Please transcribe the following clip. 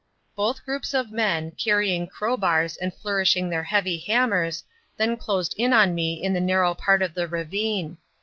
Both groups of men, carrying crowbars and flourishing their heavy hammers, then closed in on me in the narrow part of the ravine.